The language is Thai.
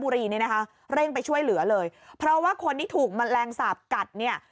แร่งไปช่วยเหลือเลยเพราะว่าคนที่ถูกมันแรงสาปกัดเนี้ย